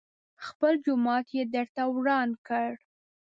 خپل جومات يې درته وران کړ.